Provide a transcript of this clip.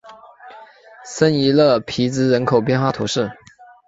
圣伊勒皮兹人口变化图示